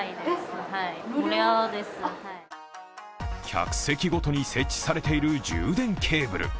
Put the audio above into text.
客席ごとに設置されている充電ケーブル。